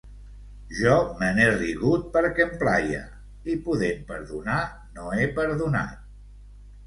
Jo me n’he rigut perquè em plaïa i, podent perdonar, no he perdonat...